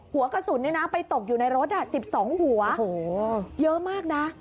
หัวกระสุนไปตกอยู่ในรถ๑๒หัวเยอะมากนะ